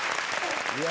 いや。